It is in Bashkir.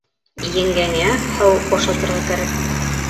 Еңгәңә һыу башлатырға кәрәк.